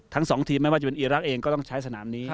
ทั้งสองทีมไม่ว่าจะเป็นอีรักษ์เองก็ต้องใช้สนามนี้